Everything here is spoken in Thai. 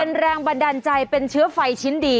เป็นแรงบันดาลใจเป็นเชื้อไฟชิ้นดี